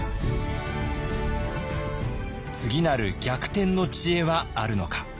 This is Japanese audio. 次なる逆転の知恵はあるのか。